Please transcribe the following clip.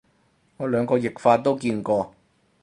我兩個譯法都見過